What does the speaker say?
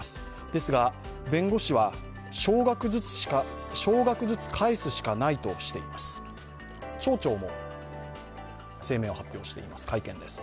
ですが弁護士は少額ずつ返すしかないとしています。